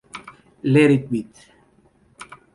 Let It Beat!